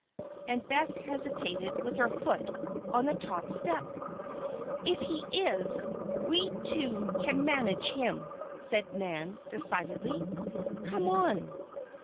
and Bess hesitated with her foot on the top step. "If he is, we two can manage him," said Nan, decidedly. "Come on."